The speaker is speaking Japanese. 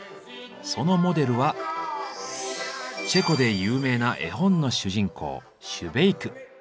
そのモデルはチェコで有名な絵本の主人公シュベイク。